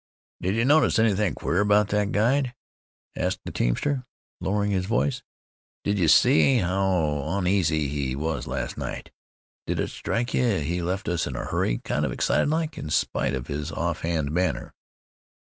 "Did ye notice anythin' queer about thet guide?" asked the teamster, lowering his voice. "Did ye see how oneasy he was last night? Did it strike ye he left us in a hurry, kind of excited like, in spite of his offhand manner?"